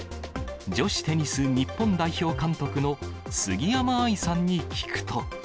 女子テニス日本代表監督の杉山愛さんに聞くと。